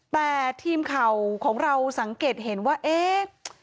แต่ทีมข่าวของเราสังเกตเห็นว่าเอ๊ะ